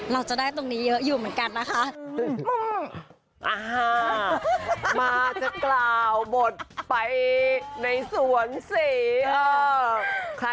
เราจะได้ตรงนี้เยอะอยู่เหมือนกันนะคะ